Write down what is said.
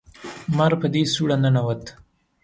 مار په دې سوړه ننوت